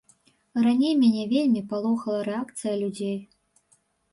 Раней мяне вельмі палохала рэакцыя людзей.